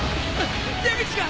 出口が！